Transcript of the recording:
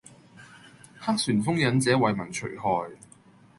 黑旋風忍者為民除害